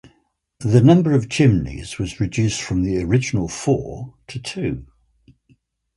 The number of chimneys was reduced from the original four to two.